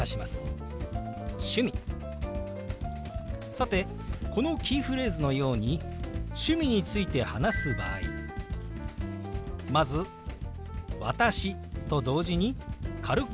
さてこのキーフレーズのように趣味について話す場合まず「私」と同時に軽くあごを下げます。